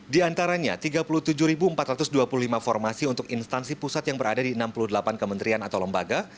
di antaranya tiga puluh tujuh empat ratus dua puluh lima formasi untuk instansi pusat yang berada di enam puluh delapan kementerian atau lembaga